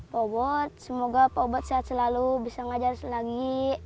pak obot semoga pak obot sehat selalu bisa ngajar lagi